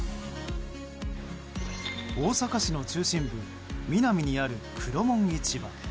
大阪市の中心部ミナミにある黒門市場。